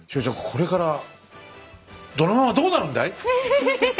これからドラマはどうなるんだい？え！